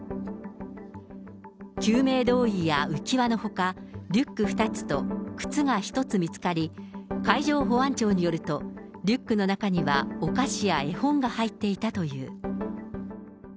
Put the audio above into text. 救命胴衣や浮き輪のほか、リュック２つと靴が１つ見つかり、海上保安庁によると、リュックの中には、お菓子や絵本が入っていたという。